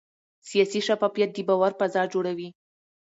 سیاسي شفافیت د باور فضا جوړوي